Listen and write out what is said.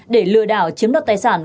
để lừa đảo chiếm đất tài sản